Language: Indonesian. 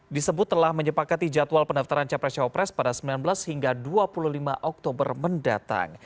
disebut telah menyepakati jadwal pendaftaran capres cawapres pada sembilan belas hingga dua puluh lima oktober mendatang